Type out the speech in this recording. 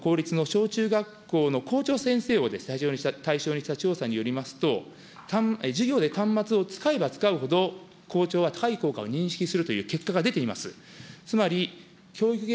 ここで全国の公立の小中学校の校長先生を対象にした調査によりますと、授業で端末を使えば使うほど、高い効果を認識するという結果が出ています。